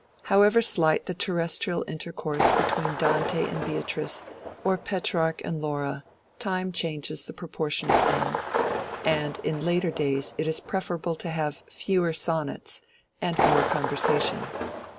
However slight the terrestrial intercourse between Dante and Beatrice or Petrarch and Laura, time changes the proportion of things, and in later days it is preferable to have fewer sonnets and more conversation.